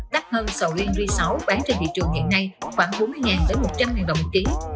đắt hơn sầu riêng sáu bán trên thị trường hiện nay khoảng bốn mươi một trăm linh đồng một ký